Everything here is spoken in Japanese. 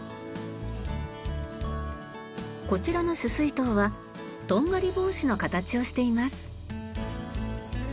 こちらの取水塔はとんがり帽子の形をしています。